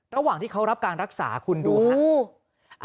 ระหว่างที่เขารับการรักษาคุณดูครับ